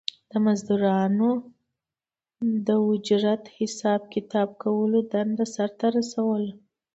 د مزدورانو د اجرت حساب کتاب کولو دنده سر ته رسوله